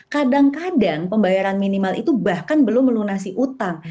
kadang kadang pembayaran minimal itu bahkan belum melunasi utang